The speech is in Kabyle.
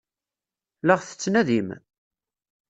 La ɣ-tettnadim?